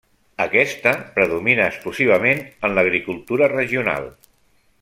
Aquesta predomina exclusivament en l'agricultura regional.